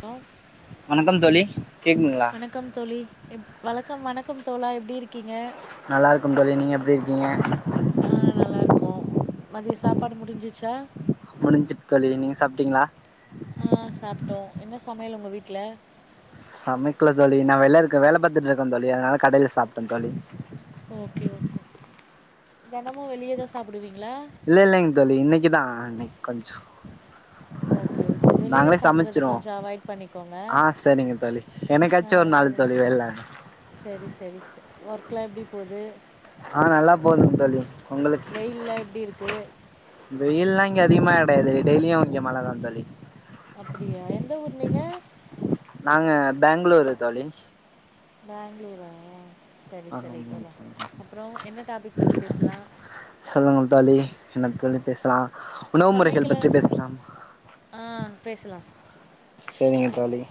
Hello வணக்கம் தோழி கேக்குதுங்ளா வழக்கம் வணக்கம் தோழா எப்டி இருக்கீங்க நல்லா இருக்கம் தோழி நீங்க எப்டி இருக்கீங்க ஆஹ் நல்லா இருக்கோ மதிய சாப்பாடு முடிஞ்சிச்சா முடிஞ்சிட்டு தோழி நீங்க சாப்ட்டீங்ளா ஆஹ் சாப்பிட்டோ என்ன சமையல் உங்க வீட்ல சமைக்கல தோழி நா வெளில இருக்க வேல பாத்துட்டு இருக்க தோழி அதனால கடைல சாப்பிட்டந் தோழி ஓகே ஓகே தினமும் வெளியேதா சாப்பிடுவீங் இல்லை இல்லைங்க தோழி இன்னைக்குதான் இன்னைக்கு கஞ்சூ ஓகே ஓகே வெளியில சாப்பறது சமைச்சிருவோ கொஞ்சோம் அவாய்ட் பண்ணிக்கோங்க ஆ சரிங்க தோழி என்னைக்காச்சு ஒரு நாள் தோழி வேல செரி செரி ஒர்க்ளாம் எப்டி போது ஆஹ் நல்லா போதும் தோழி உங்களுக்கு வெயில்லாம் எப்டி இருக்கு வெயில்லாம் இங்க அதிகமா கிடையாது டெய்லிவும் இங்க மழதா தோழி அப்டியா எந்த ஊரு நீங்க ஹ பேங்களூரு தோழி பேங்ளூரா என்ன டாபிக் பத்தி பேசலாம் சொல்லுங்கள் தோழி என்னத்த தொழி பேசலாம் உணவு முறைகள் சமைக்கல பற்றி பேசலாம் ஆ பேசலாம் சார் செரிங்க தோழி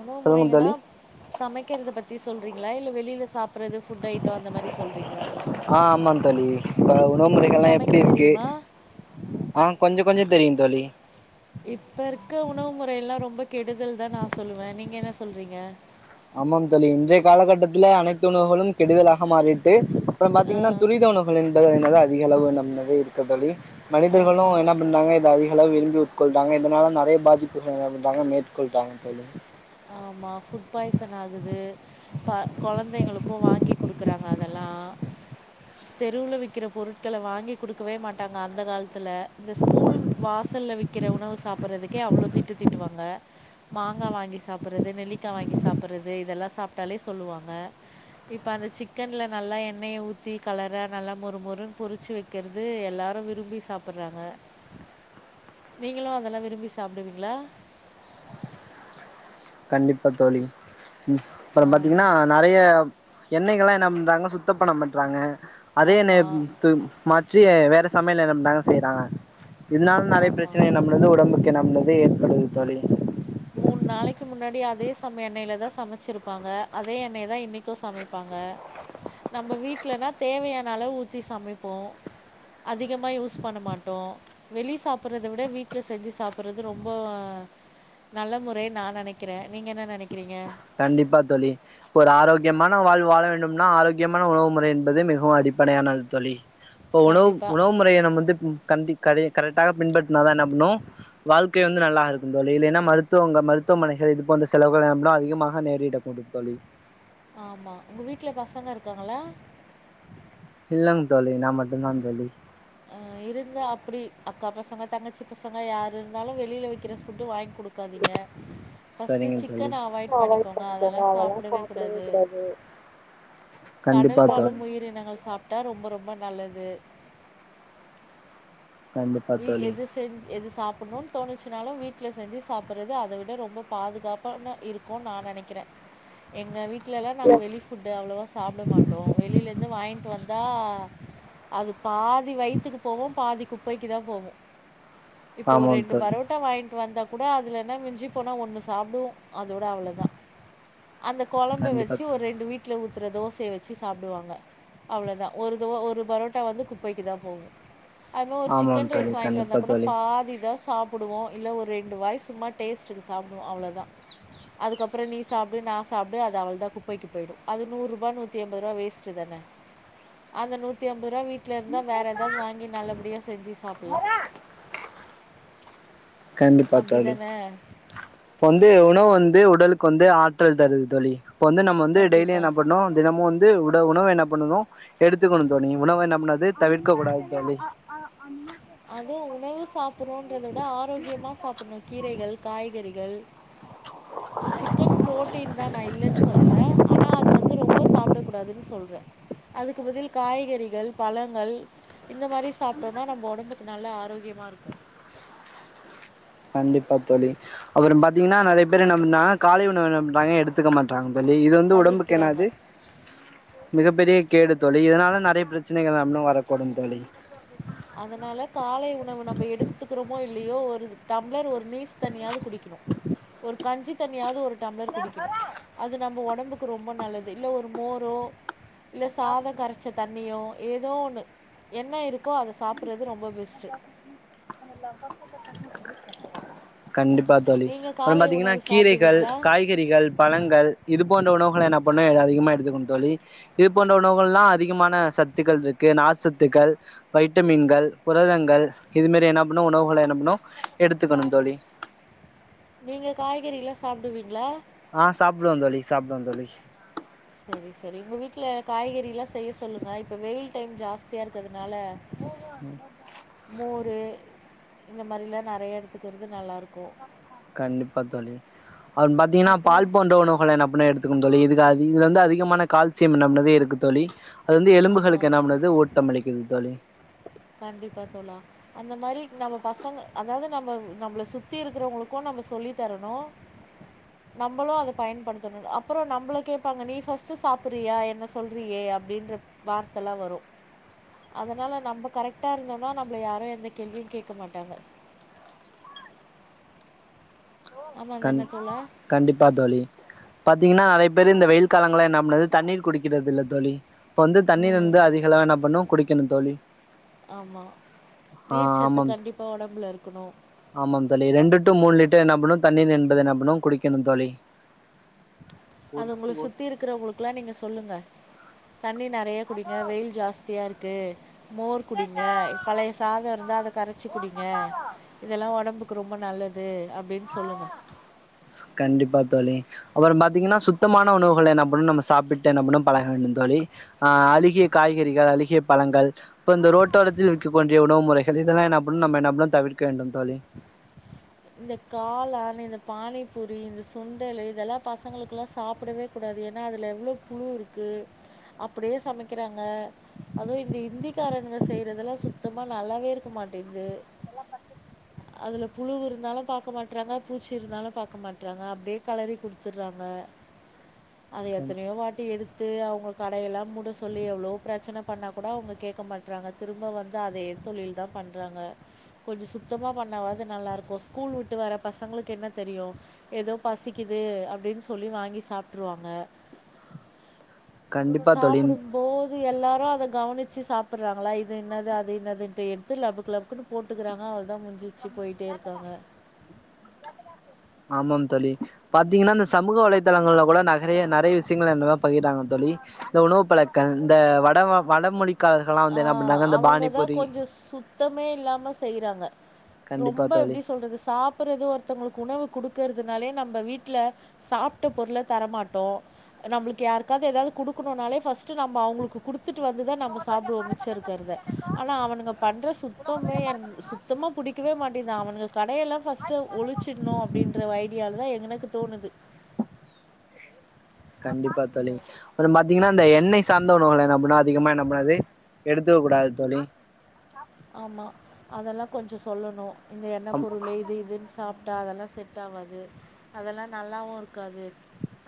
உணவு சொல்லுங்க முறைங்கன்னா தோழி சமைக் சமக்கிறத பத்தி சொல்றீங்களா இல்ல வெளியில சாப் அப்புறோ இது ஃபுட் ஐட்டம் அந்த மாரி சொல்கிறீங்களா ப்ப உங்களுக்கு உணவுமுறைகல்லாம் சமைக்க எப்டி இருக்கு தெரியுமா ஆஹ் கொஞ்சோ கொஞ்சோ தெரியும் தோழி இப்போ இருக்க உணவு முறையெல்லாம் ரொம்ப கெடுதல் தான் நான் சொல்லுவேன் நீங்க என்ன சொல்றீங்க ஆமாம் தோழி இன்றைய காலகட்டத்துல அனைத்து உணவுகளும் கெடுதலாக மாறிட்டு அப்புறோம் ஆ பாத்தீங்கன்னா துரித உணவுகள் என்பது என்னதா அதிகளவு நம்மது இருக்கதோழி மனிதர்களும் ஆமாம் என்ன பண்ணாங்க இது அதிக அ விரும்பி உட்கொள்றாங்க இதுனால நெறைய பாதிப்பு ட்கள் என்ன மேற்கொள்றாங்க ஆமா ஃபுட் ஃபுட் பாய்சன் ஆகுது ப கொழந்தைங்களுக்கும் வாங்கி குடுக்குறாங்க அதெல்லாம் தெருவில விக்கிற பொருட்களை வாங்கி குடுக்கவே மாட்டாங்க அந்த காலத்து த்துல இந்த ஸ்கூல் வாச ல்ல விக்கிற உணவு சாப்புறதுக்கே அவ்ளோ திட்டு திட்டுவாங்க மாங்கா வாங்கி சாப் டுறது நெல்லிக்காய் வாங்கி சாப்புறது இதெல்லாம் சாப்பிட்டாலே சொல்லுவாங்க இப்ப அந்த சிக்கன்ல நல்லா எண்ணெயை ஊத்தி கலரா நல்லா மொறு மொறுன்னு பொரிச்சு வைக்கிறது எல்லாரும் விரும்பி சாப்பிடுறாங்க நீங்களும் அதெல்லாம் விரும்பி சாப்பிடுவீங்களா கண்டிப்பா தோழி ஆ. அப்புறம் பாத்தீங்கன்னா நெறைய எண்ணெய் கல்லாம் என்ன பண்றாங்க சுத்த பண்ண மாட்றாங்க அதே என்னே ஆமா, து மாற்றி [unintelligible] வேற சமையல் ந்தாங்க செய்யறாங்க இதனால நெறைய ஆமா. பிரச்னைய நம்லுது உடம்புக்கு நம்னது கடது தோழி மூணு நாளைக்கு முன்னாடி அதே சமை எண்ணெயில தா சமச்சிருப்பாங்க அதே எண்ணெயதா இன்னைக்கு சமைப்பாங்க நம்ம வீட்லனா தேவையான அளவு ஊத்தி சமைப்போ அதிகமா யூஸ் பண்ண மாட்டோ வெளி சாப்புர்றத விட வீட்ல செஞ்சு சாப்புர்றது ரொம்போ நல்ல முறை நா நெனக்கிற நீங்க என்ன நெனக்கிறீங்க கண்டிப்பா தோழி ஒரு ஆரோக்கியமான வாழ்வ் வாழ வேண்டும்னா ஆரோக்கியமான உணவு முறை என்பது மிகவு அடிப்படையானது தோழி இப்பொ உணவு கண்டிப்பாக உணவு முறைய நம்ம வந்து கண்டி கரெ கரெக்ட்டாக பின்பட்னாதா என்ன பண்ணு வாழ்க்கை வந்து நல்லா இருக்கு தோழி இல்லைனா மருத்துவங்க மருத்துவமனைகள் இது போன்ற செலவுகள் எனப்படு அதிகம் மாஹ நேரிடக் கூடும் தோழி ஆமா உங்க வீட்ல பசங்க இருக்காங்களா இல்லங்க தோழி நா மட்டுந்தா தோழி அ இருந்த அப்டி அக்கா பசங்க தங்கச்சி பசங்க யாரு இருந்தாலு வெளியில விக்கிற ஃபுட்டு் வாங் குடுக்காதீங்க ஃபஸ்ட்டு சரிங்க தோழி சிக்கன அவாய்ட் பண்ணிக்கோங்க அதெல்லா சாப்டவே கூடாது கண்டிப்பா கடல் தோழி வாழும் உயிரினங்கள் சாப்ட்டா ரொம்ப ரொம்ப நல்லது கண்டிப்பா இ தோழி எது செஞ் எது சாப் புன்னு தோணுச்சினாலு வீட்ல செஞ்சி சாப்புர்றது அத விட ரொம்ப பாதுகாப்பான இருக்குன் நா நெனக்கிற எங்க வீட் ட்லலா நாங்க வெளி ஃபுட்டு் அவ்ளோவா சாப்ட மாட்டோ வெளியிலேருந்து வாய்ன்ட்டு வந்தா அது பாதி வயித்துக்கு போவு பாதி குப்பைக்கிதா போவு இப்போ ஒரு ஆமாம் ரெண்டு தோழி பரோட்டா வாய்ண்ட்டு வந்தா கூட அதுல என்ன மிஞ்சி போனா ஒன்னு சாப்டுவோ அதோட அவ்ளோதா அந்த கொழம்ப கண்டிப்பா வெச்சி ஒரு தோழி ரெண்டு வீட்ல ஊ த்துற தோசைய வெச்சி சாப்டுவாங்க அவ்ளோதா ஒரு தோ ஒரு பரோட்டா வந்து குப்பைக்குதா போவு அது மா ஆமாம் சிக்கன் தோழி ரைஸ் வாங்கிட்டு கண்டிப்பா வந்தாக் கூட தோழி பாதிதா சாப்புடுவோ இல்ல செஞ்சி சாப்புல்லா கண்டிப்பா தோழி இப்ப வந்து உணவு வந்து உடலுக்கு வந்து ஆற்றல் தருது தோழி இப்போ வந்து நம்ம வந்து டெய்லி கண்டிப்பா என்ன பண்ணு தினமு வந் து உட உணவு என்ன பண்ணணு எடுத்துக்கணு தோணி உணவ என்னா பண்ணாது தவிர்க்க கூடாது தோழி அது உணவு சாப் புர்றோ றததா ஆரோக்கியமா சாப்புண்ணோ கீரைகள் காய்கறிகள் சிக்கன் புரோட்டின் தா நா இல்லன் சொல்லல ஆனா அது வந்து ரொம்ப சாப்டக் கூடாதுன்னு சொல்ற அதுக்கு பதில் காய்கறிகள் பழங்கள் இந்த மாரி சாப்ட்டோன்னா நம்ப ஒடம்புக் கு நல்லா ஆரோக்கியமா இருக்கு கண்டிப்பா தோழி அப்பறம் பாத்தீங்கன்னா நறைய பேர் என்ன பண்ணாங்க காலை உணவ என்னா பண்றாங்க எடுத்துக்க மாட்றாங் தோழி இது வந்து உடம்புக்கு என்னா தவிர்க்கிறாங்க ஆவ்து மிகப்பெரிய கேடு தோழி இதனால நிறைய பிரச்சனைகள் நம்ளும் வரக்கூடும் தோழி அதனால காலை உணவு நம்ம எடுத்துக்கிறோமோ இல்லையோ ஒரு டம்ளர் ஒரு நீஸ் தனியாவது குடிக்கணும் ஒரு கஞ்சி தன்னியாவது ஒரு டம்ளர் குடிக்கணும் அது நம்ம உடம்புக்கு ரொம்ப நல்லது இல்ல ஒரு மோரோ இல்லை சாதம் கரைச்ச தண்ணியோ ஏதோ ஒண்ணு என்ன இருக்கு கோ அதை சாப்ட் டுறது ரொம்ப பெஸ்ட் [inaudible] கண்டிப்பா தோழி நீங்கள் அப்புறம் காலை பாத்தீங்கன்னா உணவு கீரைகள் சாப்பிடுவீங்களா காய்கறிகள் பழங்கள் இது போன்ற உணவு என்ன பண்ண அதிகமா எடுத்துக்கணும் தோழி இது போன்ற உணவுக எல்லாம் அதிகமான சத்துக்கள் இருக்கு நார் சத்துக்கள் வைட்டமின்கள் புரதங்கள் இது மாரி என்ன பண்ணும் உணவுகளை என்ன பண்ணும் எடுத்துக்கணும் தோழி நீங்க காய்கறி எல்லாம் சாப்பிடுவீங்களா ஆ சாப்டுவ தோழி சாப்டுவ தோழி சரி சரி உங்க வீட்ல காய்கறி எல்லாம் செய்ய சொல்லுங்க இப்ப வெயில் டைம் ஜாஸ்தியா இருக்குது நால மோரு இந்த மாரிலாம் நறைய எடத்துக்கிறது நல்லா இருக்கும் கண்டிப்பா தோழி அப்புறம் பாத்திங்கண்ண பால் அப்புறம் போன்ற உணவுகள் எல்லாம் எடுத்துங்கனும் தோழி இது [unintelligible] இதுல வந்து அதிகமான கால்சியம் என்னப்பனதே இருக்கு தோழி அது வந்து ஆமா. எலும்புகளுக்கு என்ன பண்ணுது ஓட்டம் அளிக்குது தோழி கண்டிப்பா தோலா அந்த மாரி நம்ம பசங்க அதாவது நம்ம நம்மளை சுத்தி இருக்கிறவங்களுக்கும் நம்ம சொல்லி தரணும் நம்மளும் அதை பயன்படுத்தணும் அப்புறம் நம்மளை கேட்பாங்க நீ ஃபர்ஸ்ட் சாப்பறியா என்ன சொல்றியே அப்படின்ற வார்த்தைல்லாம் வரும் அதனால நம்ம கரெக்டா இருந்தோம்னா நம்மள யாரும் எந்த கேள்வியும் கேட்க மாட்டாங்க ஆமா கண் தானே தோழா? கண்டிப்பா தோழி பாத்தீங்கன்னா [unintelligible] பேரு இந்த வெயில் காலங்களாம் என்ன பனது தண்ணீர் குடிக்கிறது இல்ல தோழி இப்ப வந்து தண்ணி ம். இருந்து அதிகளா என்ன பண்ணும் குடி க்கணு தோழி ஆமா. ஆ நீர்ச்சத்து ஆமாம் கண்டிப்பா உடம்புல இருக்கணும். ஆமாம் தோழி ரெண்டு டூ மூணு லிட்ட என்ன பண்ணும் தண்ணீர் ந்பது நம்பனும் குடிக்கணும் தோழி அது உங்களை சுத்தி இருக்குற உங்களுக்குெல்லாம் நீங்க சொல்லுங்க தண்ணிர் நறைய குடிங்க வெயில் ஜாஸ்தியா இருக்கு மோர் குடிங்க பழைய சாதம் இருந்தால் அதை கரைச்சி குடிங்க இதெல்லாம் உடம்புக்கு ரொம்ப நல்லது அப்படின்னு சொல்லுங்க கண்டிப்பா தோழி அப்புறம் பாத்தீங்கன்னா சுத்தமான உணவுகளை நம் நம்ம சாப்பிட்டு என்ன பண்ண பழக வேண்டும் தோழி ஆ அழகிய காய்கறிகள் அழகிய பழங்கள் இப்ப இந்த ரோட்டோரத்தில் விற்கக்க கூடிய உணவு முறைகள் இதெல்லாம் என்ன படும் நம்ம என்ன படும் தவிர்க்க வேண்டும் தோழி இந்த காளான் இந்த பானிபூரி இந்த சுண்டல் இதெல்லாம் பசங்களளுக்குகெல்லாம் சாப்பிடவே கூடாது ஏன்னா அதுல எவ்வளவு புழு இருக்கு அப்படியே சமைக்கிறாங்க அதுவும் இந்த இந்திக்காரனுங்க செய்யறதெல்லாம் சுத்தமா நல்லாவே இருக்க மாட்டேது அதுல புழுவூ இருக் இருந்தாலு பாக்க மாட்றாங்க பூச்சி இருந்தாலு பாக்க மாட்றாங்க அப்டியே களறி குடுத்துட்றாங்க அத கண் எத்தனையோ வாட்டி எடு பத்து அவங்க கடையெல்லா மூட சொல்லி எவ்ளோ பிரச்சன பண்ணாக்கூட அவங்க கேக்க மாட்றாங்க திரும்ப வந்து அதே தொழில் தா பண்றாங்க கொஞ்சோ சுத்தமா பண்ணாவாது நல்லாருக்கும் ஸ்கூல் உட்டு வர்ற பசங்களுக்கு என்ன தெரியும் ஏதோ பசிக்குது அப்டின்னு சொல்லி வாங்கி சாப்ட்ருவாங்க கண்டிப்பா தோழி சாப்டும்போது எல்லா அத கவனிச்சு சாப்புட்றாங்களா இது என்னது அது என்னதுன்ட்டு எடுத்து லபுக்கு லபுக்குனு போட்டுக்குறாங்க அவ தான் முடிஞ்சிச்சு போயிட்டே இருக்காங்க ஆமாம் தோழி பாத்தீங்கன்னா இந்த சமூக வலைதளங்கள்ல கூட நகறிய நறைய விஷ்யங்கள் அது மாரி தா பகிர்றாங்க தோழி இந்த உணவு பழக்கம் இந்த வட வடமொழி ஆ அவங்கதா கொஞ்சோ சுத்தமே இல்லாம செய்றாங்க கண்டிப்பா ரொம்ப தோழி எப்டி சொல்றது சாப்புட்றது ஒருத்தவங்களுக்கு உணவு குடு இருக்கறதுனாலே நம்ம வீட்டுல சாப்ட்ட பொருள தரமாட்டோம் நம்மளுக்கு யாருக்காவது ஏதாவது குடுக்கணும்னாலே ஃபஸ் ஸ்ட்டு நம்ம அவங்களுக்கு குடுத்துட்டு வந்துதா நம்ம மிச்சோ இருக்கறத ஆனா அவனுங்க பண்ற சுத்தமே என் சுத்தமா புடிக்கவே மாட்டிங்தான் அவனுங்க கடையெல்லா ஃபஸ்ட்டு ஒழிச்சிட்ணு அப்டின்ற ஐடியாலதா எனக்கு தோணுது கண்டிப்பா தோழி அப்றோ பாத்தீங்கன்னா இந்த எண்ணெய் சார்ந்த உணவுகள என்னா பண்ணு அதிகமா என்னா பண்ணாது எடுத்துக்கக்கூடாது தோழி ஆமா அதெல்லா கொஞ்சோ சொல்லணு இந்த எண்ணப் பொருளு இது இதுன்னு சாப் ட்டா அதெல்லா செட் ஆவாது அதெல்லா நல்லாவு இரு க்காது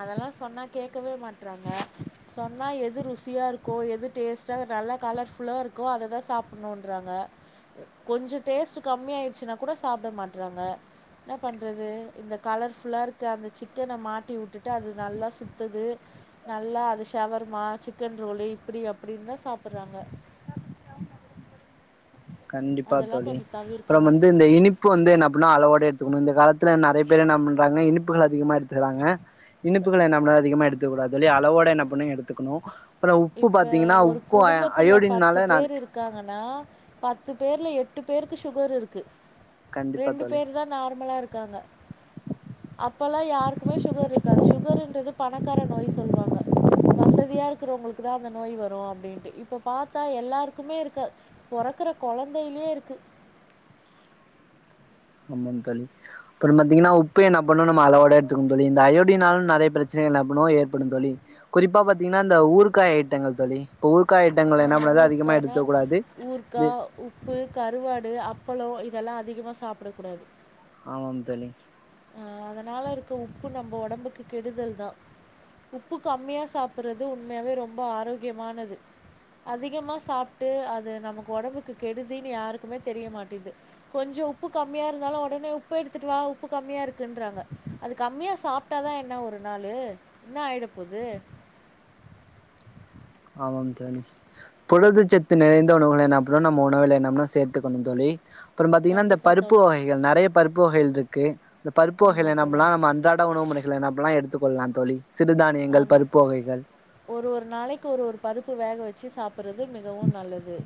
அதெல்லா சொன்னா கேக்கவே மாட்றாங்க சொன்னா எ எது ருசியா இருக்கோ எது டேஸ்ட்டா நல்லா கலர்ஃபுல்லா இருக்கோ அத தா சாப்புட்ணு ன்றாங்க கொஞ்சோ டேஸ்ட்டு கம்மியாயிடுச்சுனாக் கூட சாப்ட மாட்றாங்க என்ன பண்றது இந்த கலர் ஃபுல்லா இருக்க அந்த சிக்கன மாட்டி உட்டுட்டு அது நல்லா சுத்துது நல்லா அது ஷவர்மா சிக்கன் ரோலு இப்டிஅப்டினு தா சாப்புட்றாங்க கண்டிப்பா தோழி அப்றோம் தவிர்க்கணும். வந்து இந்த இனிப்பு வந்து என்னா பண்ணு அளவோட எடுத்துக்கணு இந்த கா த்துல நெறைய பேர் என்னா பண்றாங்க இனிப்புகள் அதிகமா எடுத்துக்குறாங்க இனிப்புகள நம்ம அதிகமா எடுத்துக்கக்கூடாது தோழி அளவோட என்னா பண்ணும் எடுத்துக்கணு இப்ப ஒரு குடும்பத்துல பத்து அயோடின்னால நா பேர் இருக்காங்கன்னா பத் பத்து பேர்ல எட்டுப் பேருக்கு ஷுகர் இருக்கு கண்டிப்பா ரெண்டு தோழி பேர் தா நார்மலா இருக்காங்க அப்பல்லா யாருக்குமே ஷுகர் இருக்காது ஷுகருன்றது பணக்கார நோய் சொல்வாங்க வசதியா இருக்கிறவங்களு க்கு தா அந்த நோய் வரு அப்டின்ட்டு இப்ப பாத்தா எல்லாருக்குமே இருக்க பொறக்குற கொழந்தையிலே இருக்கு ஆமா தோழி அப்பறோ பாத்தீங்கன்னா உப்பு என்னா பண்ணும் நம்ம அளவோட எடுத்துக்கணு தோழி இந்த அயோடினாலு நெறைய பிரச்சன என்னா பண்ணும் ஏற்படும் தோழி குறிப்பா பாத்தீங்கன்னா இந்த ஊற்காய் ஐட்டங்கள் தோழி இப்ப ஊற் ஆ ஊற்கானா ஊற்கா இது உப்பு கருவாடு அப்பளோ இதெல்லா அதி கமா சாப்டக்கூடாது ஆமாம் தோழி ஆ அதனால இருக்க உப்பு நம்ப ஒடம்புக்கு கெடுதல் தா உப்பு கம்மியா சாப்புறது உண்மையாவே ரொம்ப ஆரோக்கியமானது அதிகமா சாப்ட்டு அது நமக்கு ஒடம்புக்கு கெடுதீன்னு யாருக்குமே தெரியமாட்டிது கொஞ்சோ உப்பு கம்மியா இருந்தாலு ஒடனே உப்பு எடுத்துட்டு வா உப்பு கம்மியா இருக்குன்றாங்க அது கம்மியா சாப்ட்டா தா என்ன ஒரு நாளு என்ன ஆயிடப்போது ஆமாம் தோழி புரதச்சத்து நெறைந்த உணவுகள என்னாப் பண்ணும் நம்ம உணவுல என்னாப் பண்ணும் சேத்துக்கணு தோழி அப்பறோ பாத்தீங்கன்னா இந்த கண்டிப்பா பருப்பு தோழா வகைகள் நெறைய பருப் பூ வகைள் இருக்கு இந்த பருப்பு ஆமா வகைல என்னப் தோழா பண்லா நம்ம அன்றாட உணவு முறை ல என்னாப் பண்ணலா‌ எடுத்துக்கொள்ளலா தோழி சிறுதானியங்கள் ஆமா பருப்பு வகைகள் ஒரு ஒரு நாளைக்கு ஒரு ஒரு பருப்பு வேக வெச்சு சாப்புறது மிகவும் நல்லது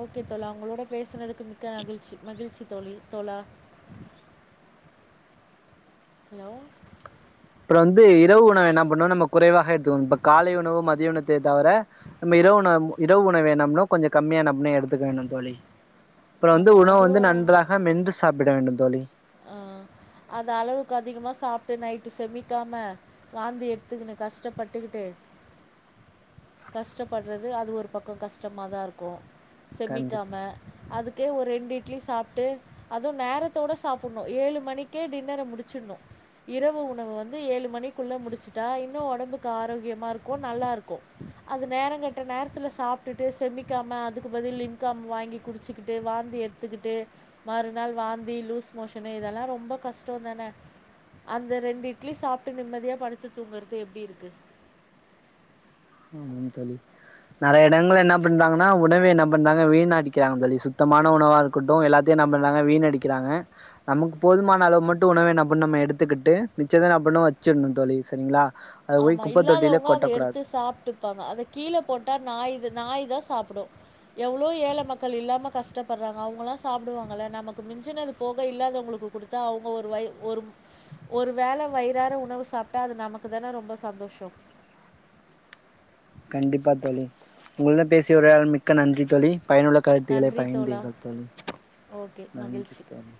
ஓகே தோழா உங்களோட பேசுனது க்கு மிக்க மகிழ்ச்சி மகிழ்ச்சி தோழி தோழா ஹலோ அப்றோ வந்து இரவு உணவு என்ன பண்ணணு நம்ம குறைவாக எடுத்துகனு இப்ப காலை உணவு மதிய உணவு எத் தவர நம்ம இரவு உணவு இரவு உணவு வேணாம்னா கொஞ்சோ கம்மியா எடுத்துக்க வேணு தோழி அப்றோ வந்து ஆமா உணவு வந்து அதுவும் நன்றாக மென்று சாப்பிட வேண்டும் தோழி ஆஹ் அது அளவுக்கு அதிகமா சாப்ட்டு நைட்டு செமிக்காம வாந்தி எடுத்துக்குணு கஷ்டப்பட்டுக்கிட்டு கஷ்டப்பட்றது அது ஒரு பக்கோ கஷ்டமா தா இருக்கு கண்டிப்பா செமிக்காம அதுக்கே ஒ ரெண்டு இட்லி சாப்ட்டு அதுவு நேரத்தோட சாப் உன்னு ஏழு மணிக்கே டின்னர முடிச்சிட்ணு இரவு உணவு வந்து ஏழு மணிக்குள்ள முடிச்சுட்டா இன்னு ஒடம்புக்காரோக்யமா இருக்கு நல்லாருக்கு அது நேரங் கெட்ட நேரத்துல சாப்டுட்டு செமிக்காம அதுக்கு பதில் லிங்காம் வாங்கி குடிச்சுக்குட்டு வாந்தி எட்த்துக்குட்டு மறுநாள் வாந்தி லூஸ் மோஷனு இதெல்லா ரொம்பா கஷ்டோந் தான அந்த ரெண்டு இட்லி சாப்ட்டு நிம்மதியா படுத்து தூங்கறது எப்டி இருக்கு ஆமாம் தோழி நறய எடங்கள்ல என்னா பண்றாங்கனா உணவ என்ன பண்றாங்க வீணடிக்கிறாங்க தோழி சுத்தமான உணவா இருக்கட்டு எல்லாத்தியு என்ன பண்றாங்க வீணடிக்கிறாங்க நமுக் போதுமானளவு மட்டு உணவ என்னா பண்ணு நம்ம எடுத்துக்குட்டு மிச்சத என்னா பண்ணு வெச்சிட்ணு தோழி செரிங்ளா ஆமா இல்லாதவுங்க அத எடுத்து சாப்ட்டு பாங்க அத கீழ போட்டா நாய்து நாய் தா சாப்புடு எவ்ளோ ஏழ மக்கள் இல்லாம கஷ்டப்படுறாங்க அவுங்கள்லா சாப்டுவாங்கல்ல நமக்கு மிஞ்சினது போக இல்லாதவுங்களுக்கு குடுத்தா அவுங்க ஒரு வாய் ஒரு ஒரு வேல வயிறாற உணவு சாப்ட்டா அது நமக் க்குதானா ரொம்பொ சந்தோஷொ கண்டிப்பா தோழி உங்கல்ட பேசி உரையாட மிக்க நன்றி தோழி பயனுள்ள கருத்துக்களை நன்றி தோழா. பகிர்ந்தீர்கள் தோழி ஓகே. நன்றி மகிழ்ச்சி. தோழி